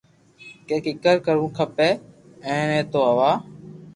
ڪي ڪيڪر ڪروُ کپر”ي ني تو ھيوا